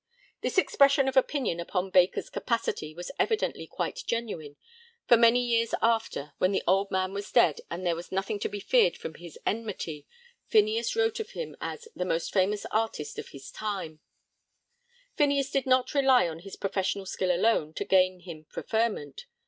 This expression of opinion upon Baker's capacity was evidently quite genuine, for many years after, when the old man was dead and there was nothing to be feared from his enmity, Phineas wrote of him as 'the most famous artist of his time.' [Sidenote: Preferment.] Phineas did not rely on his professional skill alone to gain him preferment.